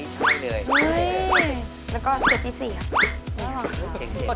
จริง